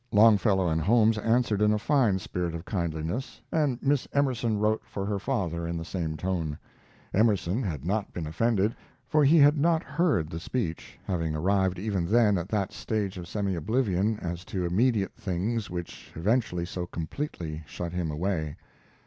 Longfellow and Holmes answered in a fine spirit of kindliness, and Miss Emerson wrote for her father in the same tone. Emerson had not been offended, for he had not heard the speech, having arrived even then at that stage of semi oblivion as to immediate things which eventually so completely shut him away.